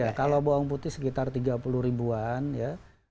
ya kalau bawang putih sekitar tiga puluh ribuan ya